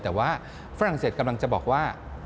แต่ว่าฝรั่งเศสกำลังจะบอกว่า